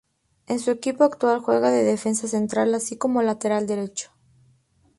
En su equipo actual juega de defensa central así como lateral derecho.